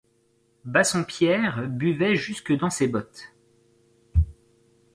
Bassompierre buvait jusque dans ses bottes !